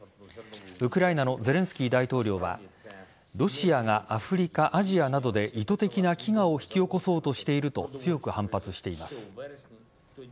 ウクライナのゼレンスキー大統領はロシアがアフリカ、アジアなどで意図的な飢餓を引き起こそうとしていると強く反発しています。